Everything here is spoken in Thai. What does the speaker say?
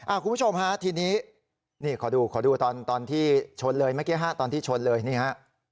คุณผู้ชมฮะทีนี้นี่ขอดูขอดูตอนตอนที่ชนเลยเมื่อกี้ฮะตอนที่ชนเลยนี่ฮะ